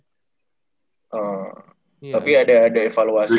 tapi ada evaluasi lah